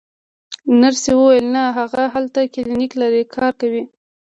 نرسې وویل: نه، هغه هلته کلینیک لري، کار کوي.